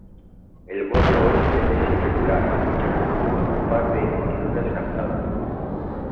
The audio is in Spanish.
El borde oeste es irregular, interrumpido por un par de hendiduras gastadas.